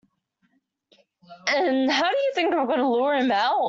And how do you think I can help lure him out?